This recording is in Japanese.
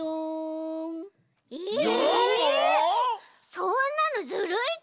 そんなのずるいち。